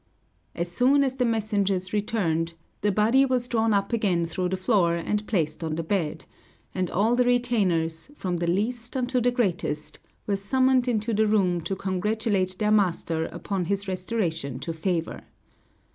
As soon as the messengers returned, the body was drawn up again through the floor and placed on the bed; and all the retainers, from the least unto the greatest, were summoned into the room to congratulate their master upon his restoration to favor.